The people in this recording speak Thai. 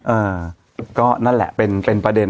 เออก็นั่นแหละเป็นเป็นประเด็น